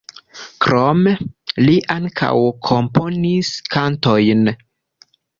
Krome li ankaŭ komponis kantojn.